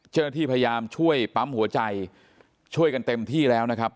เจ้าหน้าที่พยายามช่วยปั๊มหัวใจช่วยกันเต็มที่แล้วนะครับ